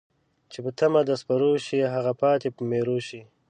چې په تمه د سپرو شي ، هغه پاتې په میرو ښی